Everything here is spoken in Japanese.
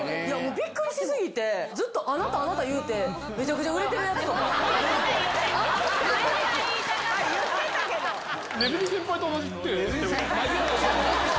びっくりし過ぎて、ずっとあなた、あなた言うて、めちゃくちまあ、鼠先輩と同じって。